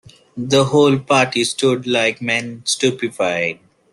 The whole party stood like men stupefied.